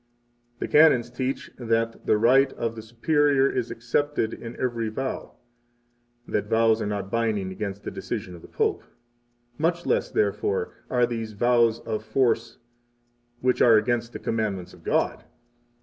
The Canons teach that the right of the superior is excepted in every vow; [that vows are not binding against the decision of the Pope;] much less, therefore, are these vows of force which are against the commandments of God.